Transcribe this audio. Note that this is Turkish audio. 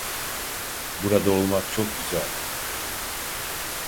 Burada olmak çok güzel.